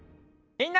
みんな！